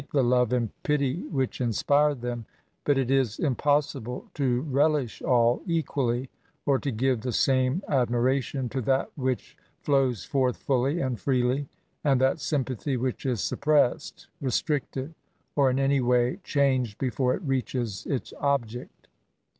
the love and pity which inspire them ; but it is impossible to relish all equally^ or to give the same admiration to that which flows forth fully and freely^ and that sympathy which is suppressed^ restricted^ or in any way changed before it reaches its object.